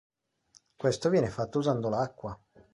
Questo viene fatto usando l'acqua.